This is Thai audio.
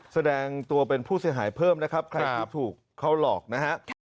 แสดงตัวเป็นผู้เสียหายเพิ่มนะครับใครที่ถูกเขาหลอกนะฮะ